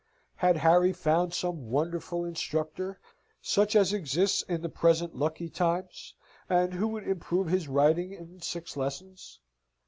Had Harry found some wonderful instructor, such as exists in the present lucky times, and who would improve his writing in six lessons?